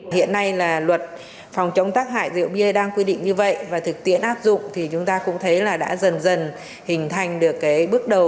hiện nay là luật phòng chống tác hại rượu bia đang quy định như vậy và thực tiễn áp dụng thì chúng ta cũng thấy là đã dần dần hình thành được cái bước đầu